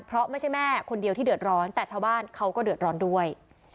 เพราะไม่ใช่แม่คนเดียวที่เดือดร้อนแต่ชาวบ้านเขาก็เดือดร้อนด้วย